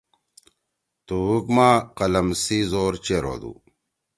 توہوگ ما قلم سی زور چیر ہودو۔